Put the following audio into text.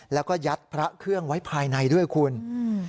และก็ยัดพระเครื่องไว้ภายในด้วยนี่